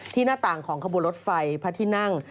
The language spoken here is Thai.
หน้าต่างของขบวนรถไฟพระที่นั่ง